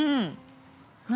◆何？